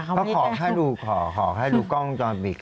เขาขอให้ดูกล้องจอมปิกเขาก็ไม่ได้บอก